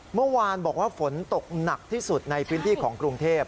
เมื่อวานบอกว่าฝนตกหนักที่สุดในพื้นที่ของกรุงเทพ